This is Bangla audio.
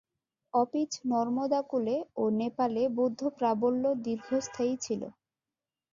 অপিচ নর্মদাকূলে ও নেপালে বৌদ্ধপ্রাবল্য দীর্ঘস্থায়ী ছিল।